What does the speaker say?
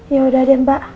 ya udah deh mbak